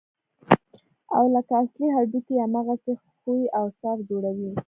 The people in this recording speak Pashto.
او لکه اصلي هډوکي يې هماغسې ښوى او صاف جوړوي.